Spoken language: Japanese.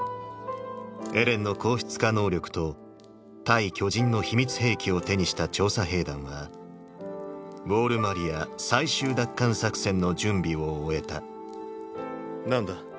エレンの硬質化能力と対巨人の秘密兵器を手にした調査兵団はウォール・マリア最終奪還作戦の準備を終えた何だ？